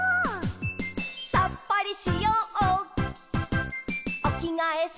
「さっぱりしようおきがえすっきり」